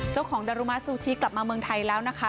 เจ้าของดารมสูชิกลับมาเมืองไทยแล้วนะคะ